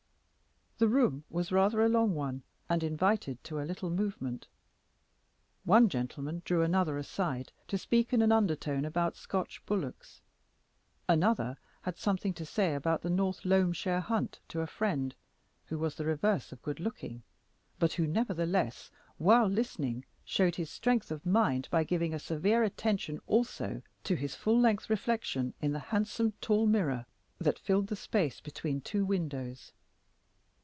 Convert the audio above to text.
The room was rather a long one, and invited to a little movement; one gentleman drew another aside to speak in an undertone about Scotch bullocks; another had something to say about the North Loamshire hunt to a friend who was the reverse of good looking, but who, nevertheless, while listening, showed his strength of mind by giving a severe attention also to his full length reflection in the handsome tall mirror that filled the space between two windows.